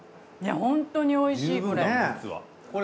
本当においしいこれ。